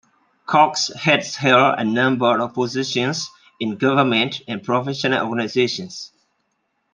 Cox has held a number of positions in government and professional organizations.